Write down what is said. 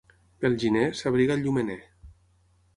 Pel gener, s'abriga el llumener.